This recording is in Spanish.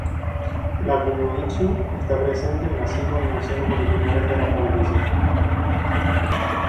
La kunoichi está presente en las cinco animaciones originales de la franquicia.